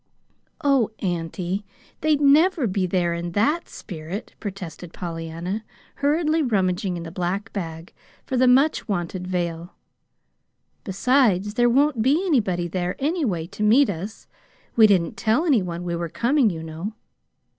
"Oh, auntie, they'd never be there in THAT spirit," protested Pollyanna, hurriedly rummaging in the black bag for the much wanted veil. "Besides, there won't be anybody there, anyway, to meet us. We didn't tell any one we were coming, you know."